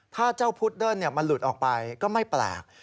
ถ้าเจ้าพุดเดิ้ลมันหลุดออกไปก็ไม่แปลก